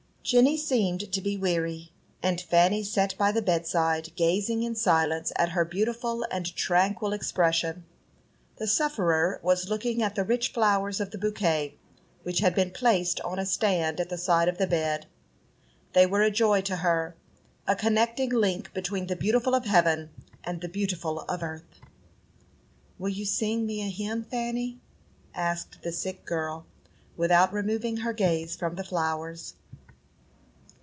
Jenny seemed to be weary, and Fanny sat by the bedside gazing in silence at her beautiful and tranquil expression. The sufferer was looking at the rich flowers of the bouquet, which had been placed on a stand at the side of the bed. They were a joy to her, a connecting link between the beautiful of heaven and the beautiful of earth. "Will you sing me a hymn, Fanny?" asked the sick girl, without removing her gaze from the flowers.